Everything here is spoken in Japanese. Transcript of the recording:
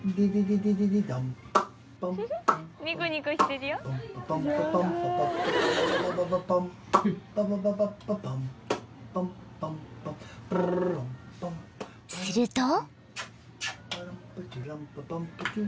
［すると］